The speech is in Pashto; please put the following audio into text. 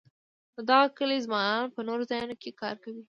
د دغه کلي ځوانان په نورو ځایونو کې کار کوي.